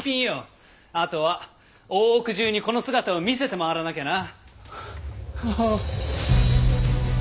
あとは大奥中にこの姿を見せて回らなきゃな！